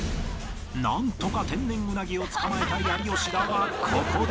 なんとか天然ウナギを捕まえたい有吉だがここで